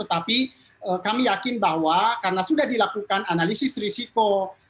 tetapi kami yakin bahwa karena sudah dilakukan analisis risiko